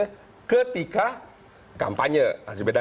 harus cuti kampanye ketika